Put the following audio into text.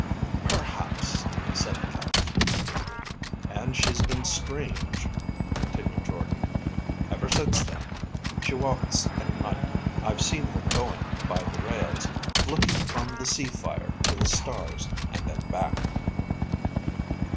"Perhaps," said the captain. "And she's been strange," continued Jordde, "ever since then. She walks at night. I've seen her going by the rails, looking from the sea fire to the stars, and then back."